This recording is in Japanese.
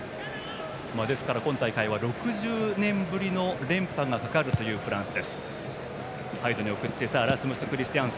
ですから、今大会は６０年ぶりの連覇がかかるフランス。